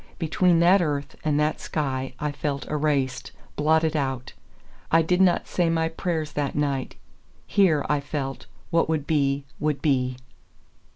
Between that earth and that sky I felt erased, blotted out. I did not say my prayers that night: here, I felt, what would be would be.